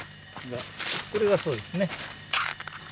これがそうですね。